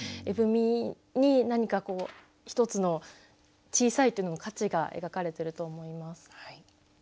絵踏に何かこう一つの小さいというのの価値が描かれていると思います。